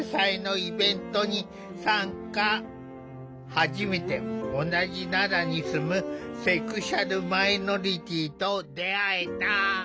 初めて同じ奈良に住むセクシュアルマイノリティーと出会えた。